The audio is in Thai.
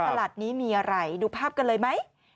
ตลาดนี้มีอะไรดูภาพกันเลยไหม